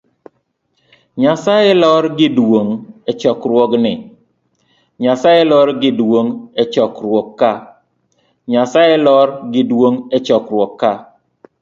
Nyasaye lor gi duong echokruok ka